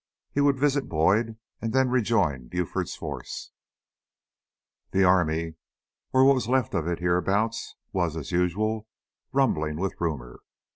He would visit Boyd and then rejoin Buford's force. The army, or what was left of it hereabouts, was, as usual, rumbling with rumor.